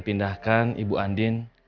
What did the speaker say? pindahkan ibu andin